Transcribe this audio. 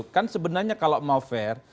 kan sebenarnya kalau mau fair